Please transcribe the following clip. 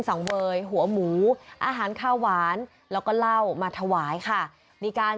สังเวยหัวหมูอาหารข้าวหวานแล้วก็เหล้ามาถวายค่ะมีการ